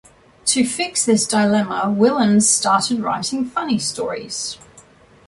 To fix this dilemma Willems started writing funny stories.